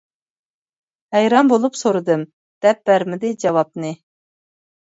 ھەيران بولۇپ سورىدىم، دەپ بەرمىدى جاۋابنى.